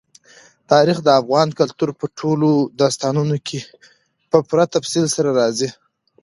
تاریخ د افغان کلتور په ټولو داستانونو کې په پوره تفصیل سره راځي.